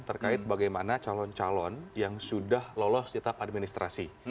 terkait bagaimana calon calon yang sudah lolos di tahap administrasi